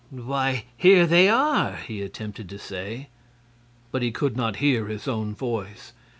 "Why, here they are!" he attempted to say; but he could not hear his own voice.